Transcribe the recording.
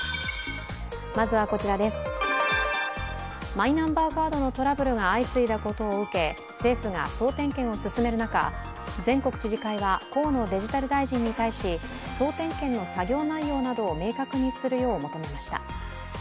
マイナンバーカードのトラブルが相次いだことを受け政府が総点検を進める中全国知事会は河野デジタル大臣に対し総点検の作業内容などを明確にするよう求めました。